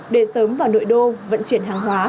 để sớm vào nội đô vận chuyển hàng hóa